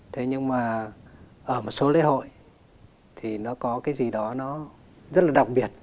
thế nhưng mà ở một số lễ hội thì nó có cái gì đó nó rất là đặc biệt